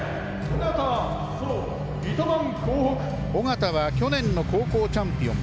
小方は去年の高校チャンピオン。